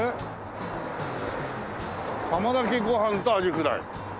「窯だきご飯とアジフライ」